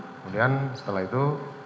kemudian setelah itu